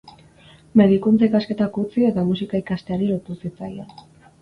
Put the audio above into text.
Medikuntza-ikasketak utzi, eta musika ikasteari lotu zitzaion.